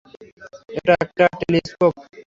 এটা একটা টেলিস্কোপ!